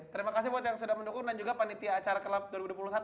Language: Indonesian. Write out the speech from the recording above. terima kasih buat yang sudah mendukung dan juga panitia acara klub dua ribu dua puluh satu